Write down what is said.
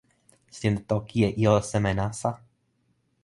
sina toki e ijo seme nasa?